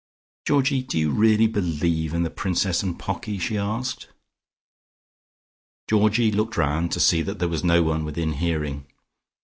"Georgie, do you really believe in the Princess and Pocky?" she asked. Georgie looked round to see that there was no one within hearing.